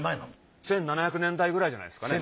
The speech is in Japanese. １７００年代くらいじゃないですかね。